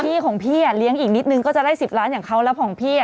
พี่ของพี่อ่ะเลี้ยงอีกนิดนึงก็จะได้๑๐ล้านอย่างเขาแล้วของพี่อ่ะ